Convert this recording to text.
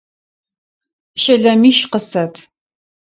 Щэлэмищ къысэт!